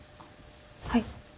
はい。